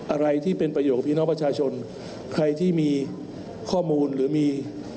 อะไรที่เป็นประโยชนกับพี่น้องประชาชนใครที่มีข้อมูลหรือมี